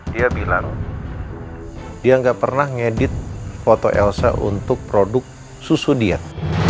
dia bilang dia nggak pernah ngedit foto elsa untuk produk susu diet